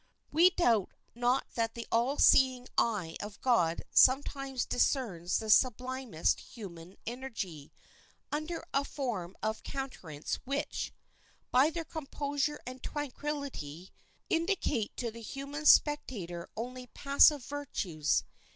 We doubt not that the all seeing eye of God sometimes discerns the sublimest human energy under a form and countenance which, by their composure and tranquillity, indicate to the human spectator only passive virtues.